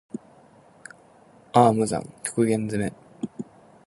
ああ無惨～極限責め～